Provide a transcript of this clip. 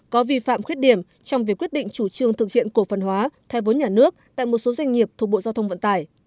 có vi phạm khuyết điểm trong việc quyết định chủ trương thực hiện cổ phần hóa thoai vốn nhà nước tại một số doanh nghiệp thuộc bộ giao thông vận tải